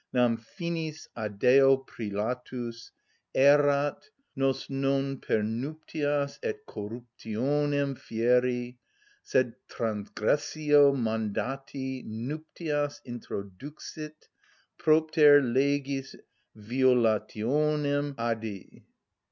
nam finis, a Deo prœlatus, erat, nos non per nuptias et corruptionem fieri: sed transgressio mandati nuptias introduxit, propter legis violationem Adœ.